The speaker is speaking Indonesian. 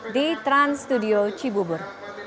di trans studio cibubur